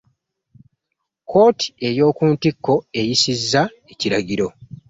Kkooti ey'oku ntikko eyisizza ekiragiro.